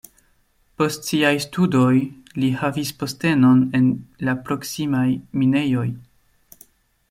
Post siaj studoj li havis postenon en la proksimaj minejoj.